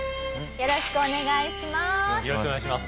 よろしくお願いします。